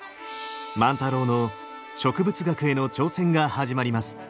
万太郎の植物学への挑戦が始まります。